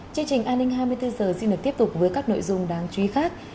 chương trình an ninh hai mươi bốn h xin được tiếp tục với các nội dung đáng chú ý khác